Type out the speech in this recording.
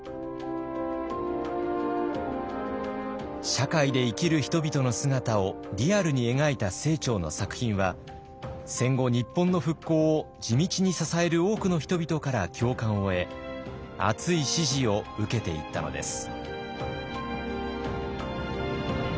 社会で生きる人々の姿をリアルに描いた清張の作品は戦後日本の復興を地道に支える多くの人々から共感を得熱い支持を受けていったのです。